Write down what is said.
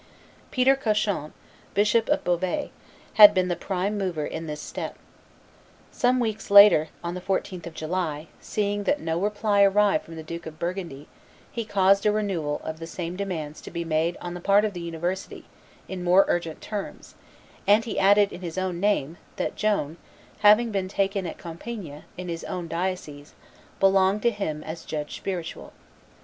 Peter Cauchon, Bishop of Beauvais, had been the prime mover in this step. Some weeks later, on the 14th of July, seeing that no reply arrived from the Duke of Burgundy, he caused a renewal of the same demands to be made on the part of the University in more urgent terms, and he added, in his own name, that Joan, having been taken at Compiegne, in his own diocese, belonged to him as judge spiritual.